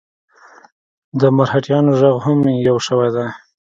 د مرهټیانو ږغ هم یو شوی دی.